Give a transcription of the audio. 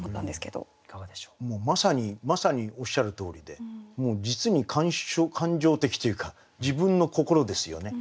まさにおっしゃるとおりで実に感情的というか自分の心ですよね。